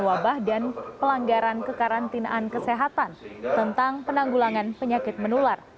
penyakit menular penanggulangan wabah dan pelanggaran kekarantinaan kesehatan